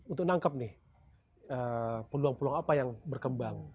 untuk nangkep nih peluang peluang apa yang berkembang